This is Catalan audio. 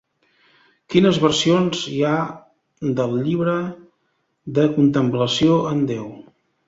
Quines versions hi ha d'El Llibre de contemplació en Déu?